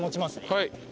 はい。